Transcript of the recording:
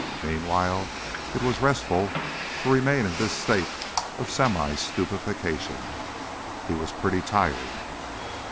Meanwhile, it was restful to remain in this state of semi stupefaction. He was pretty tired.